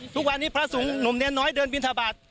ทุกวันนี้พระสงฆ์หนุ่มแนนน้อยเดินบินทบาท